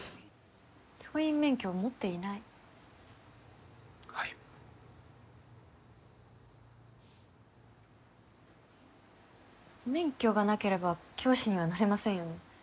教員免許を持っていないはい免許がなければ教師にはなれませんよね？